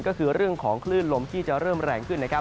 ก็คือเรื่องของคลื่นลมที่จะเริ่มแรงขึ้นนะครับ